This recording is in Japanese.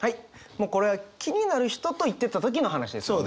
もうこれは気になる人と行ってた時の話ですもんね。